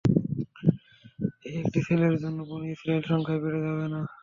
এই একটি ছেলের জন্যে বনী ইসরাঈল সংখ্যায় বেড়ে যাবে না।